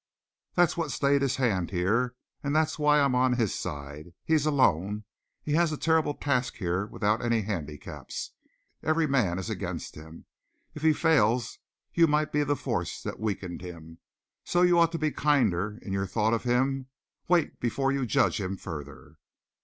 "That's what stayed his hand here. And that's why I'm on his side. He's alone. He has a terrible task here without any handicaps. Every man is against him. If he fails, you might be the force that weakened him. So you ought to be kinder in your thought of him. Wait before you judge him further.